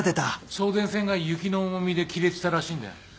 送電線が雪の重みで切れてたらしいんだよ。